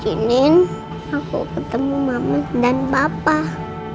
jinin aku ketemu mama dan bapak